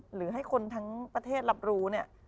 หรือให้คนทั้งประเทศรับรู้เนี่ย